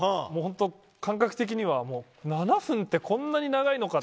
感覚的には７分ってこんなに長いのかと。